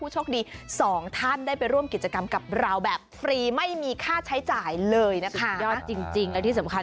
ใช่รวยขึ้นมาจะว่ายังไง